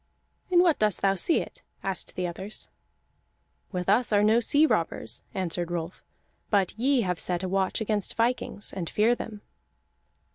"In what dost thou see it?" asked the others. "With us are no sea robbers," answered Rolf, "but ye have set a watch against vikings, and fear them."